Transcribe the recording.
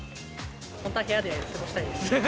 本当は部屋で過ごしたいです。